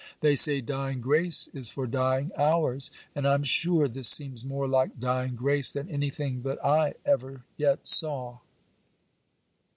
They say dying grace is for dying hours; and I'm sure this seems more like dying grace than anything that I ever yet saw.